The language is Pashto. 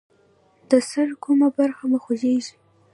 د سر کومه برخه مو خوږیږي؟